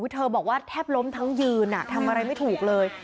เธอบอกว่าแทบล้มทั้งยืนทำอะไรไม่ถูกเลย